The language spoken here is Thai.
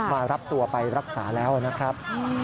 มารับตัวไปรักษาแล้วนะครับ